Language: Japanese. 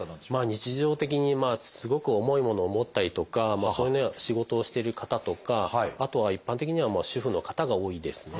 日常的にすごく重いものを持ったりとかそういうような仕事をしてる方とかあとは一般的には主婦の方が多いですね。